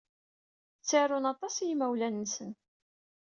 Ttarun aṭas i yimawlan-nsen.